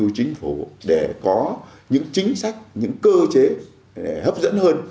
chính phủ để có những chính sách những cơ chế hấp dẫn hơn